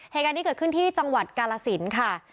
เหตุการณ์นี้เกิดขึ้นที่จังหวัดกาลสินค่ะ